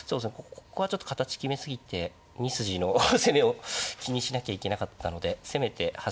ここはちょっと形決め過ぎて２筋の攻めを気にしなきゃいけなかったのでせめて端歩突くとか。